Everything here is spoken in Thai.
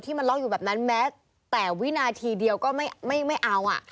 มันล็อกอยู่แบบนั้นแม้แต่วินาทีเดียวก็ไม่เอา